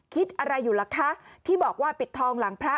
คิดอะไรอยู่ล่ะคะที่บอกว่าปิดทองหลังพระ